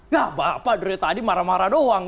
gak apa apa dari tadi marah marah doang